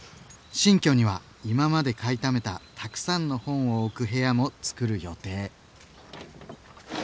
新居には今まで買いためたたくさんの本を置く部屋もつくる予定。